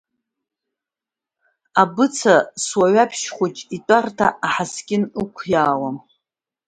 Абыца суаҩаԥшь хәҷы итәарҭа ҳаскьын ықәиаауам.